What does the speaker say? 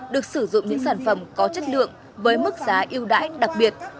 được sử dụng những sản phẩm có chất lượng với mức giá yêu đãi đặc biệt